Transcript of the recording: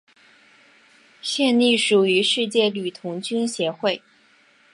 现隶属于世界女童军协会。